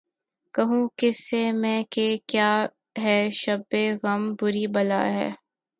کہوں کس سے میں کہ کیا ہے شب غم بری بلا ہے